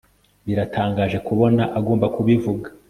Biratangaje kubona agomba kubivuga